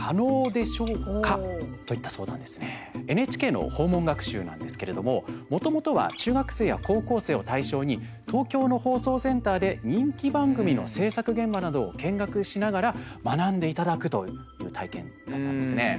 ＮＨＫの訪問学習なんですけれどももともとは中学生や高校生を対象に東京の放送センターで人気番組の制作現場などを見学しながら学んでいただくという体験だったんですね。